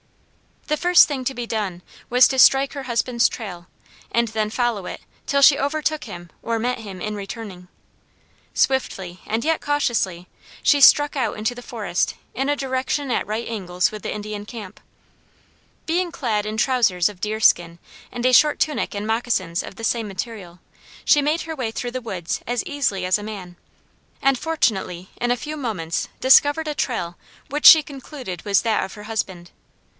The first thing to be done was to strike her husband's trail and then follow it till she overtook him or met him returning. Swiftly, and yet cautiously, she struck out into the forest in a direction at right angles with the Indian camp. Being clad in trowsers of deer skin and a short tunic and moccasins of the same material, she made her way through the woods as easily as a man, and fortunately in a few moments discovered a trail which she concluded was that of her husband.